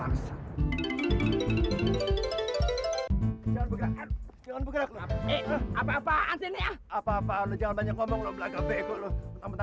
jangan bergerak gerak apa apaan sini ya apa apaan jangan banyak ngomong lo belakang bego lo nanti